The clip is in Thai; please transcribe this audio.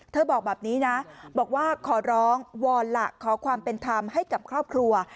บอกแบบนี้นะบอกว่าขอร้องวอนล่ะขอความเป็นธรรมให้กับครอบครัว